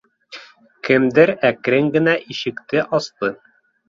Кемдер әкрен генә ишекте асты.